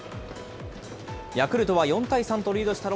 ヤクルトは４対３とリードした